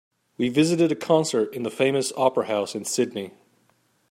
We visited a concert in the famous opera house in Sydney.